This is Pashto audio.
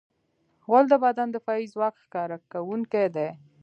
غول د بدن د دفاعي ځواک ښکاره کوونکی دی.